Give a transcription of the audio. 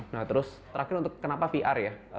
nah terus terakhir untuk kenapa vr ya